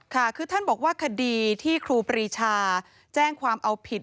ค่ะคือท่านบอกว่าคดีที่ครูปรีชาแจ้งความเอาผิด